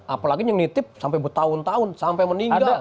apalagi yang nitip sampai bertahun tahun sampai meninggal